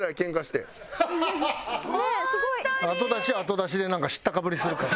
後出し後出しでなんか知ったかぶりするから。